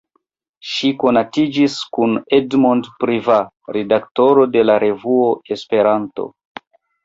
Ŝi konatiĝis kun Edmond Privat, redaktoro de la revuo "Esperanto".